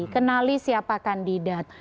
kenali siapa kandidat